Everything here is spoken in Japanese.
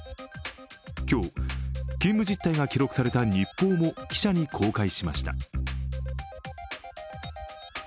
今日、勤務実態が記録された日報も記者に公開しました。